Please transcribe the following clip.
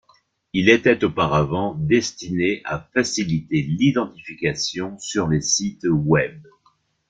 Il était auparavant destiné à faciliter l'identification sur les sites web.